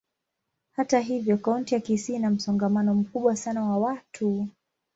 Hata hivyo, kaunti ya Kisii ina msongamano mkubwa sana wa watu.